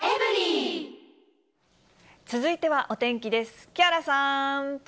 続いてはお天気です。